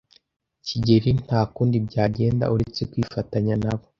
kigeli nta kundi byagenda uretse kwifatanya nabo.